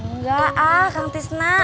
enggak ah kang tisna